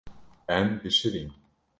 Em bişirîn.